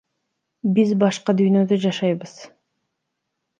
Биз башка дүйнөдө жашайбыз.